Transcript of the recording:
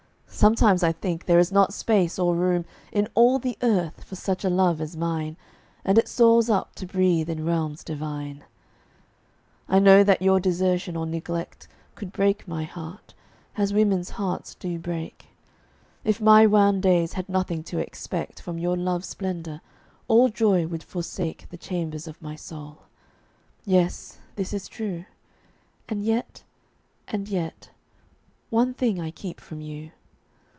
Sometimes I think there is not space or room In all the earth for such a love as mine, And it soars up to breathe in realms divine. I know that your desertion or neglect Could break my heart, as women's hearts do break. If my wan days had nothing to expect From your love's splendor, all joy would forsake The chambers of my soul. Yes, this is true. And yet, and yet one thing I keep from you.